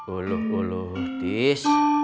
uluh uluh ntis